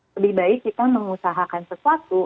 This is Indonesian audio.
lebih baik kita mengusahakan sesuatu